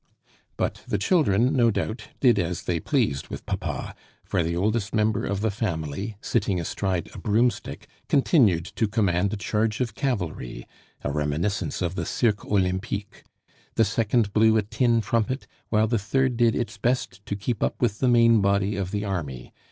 But the children, no doubt, did as they pleased with papa, for the oldest member of the family, sitting astride a broomstick, continued to command a charge of cavalry (a reminiscence of the Cirque Olympique), the second blew a tin trumpet, while the third did its best to keep up with the main body of the army.